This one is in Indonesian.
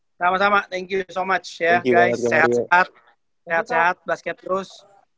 eh sama sama thank you so much ya guys sehat sehat sehat sehat basket terus